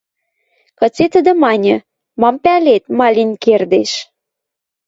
Кыце тӹдӹ маньы: «Мам пӓлет, ма лин кердеш».